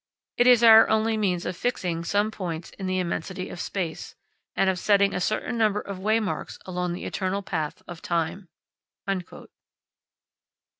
It is our only means of fixing some points in the immensity of space, and of setting a certain number of waymarks along the eternal path of time."